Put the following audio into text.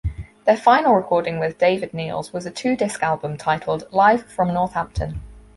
Their final recording with David Nields was a two-disc album titled "Live From Northampton".